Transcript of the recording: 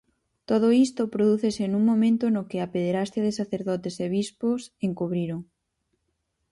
Todo isto prodúcese nun momento no que a pederastia de sacerdotes e bispos encubriron.